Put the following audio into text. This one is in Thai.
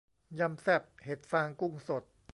ยำแซ่บเห็ดฟางกุ้งสด